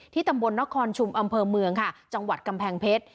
ตำบลนครชุมอำเภอเมืองค่ะจังหวัดกำแพงเพชร